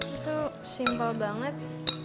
itu simple banget